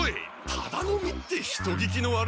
タダ飲みって人聞きの悪い！